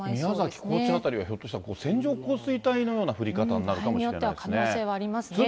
これ、宮崎、高知辺りは、ひょっとしたら線状降水帯のような降り方になるかもしれませんね。